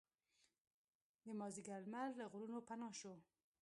د مازدیګر لمر له غرونو پناه شو.